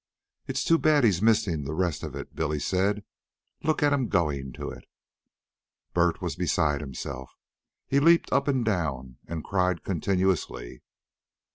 "It's too bad he's missing the rest of it," Billy said. "Look at 'em goin' to it." Bert was beside himself. He leaped up and down and cried continuously.